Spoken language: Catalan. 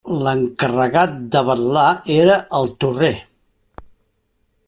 L'encarregat de vetlar era el torrer.